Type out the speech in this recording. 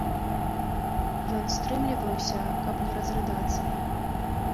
Ён стрымліваўся, каб не разрыдацца.